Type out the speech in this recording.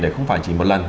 để không phải chỉ một lần